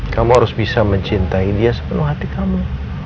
kamu harus bisa mencintai dia sepenuh hati kamu